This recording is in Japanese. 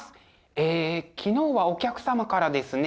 え昨日はお客様からですね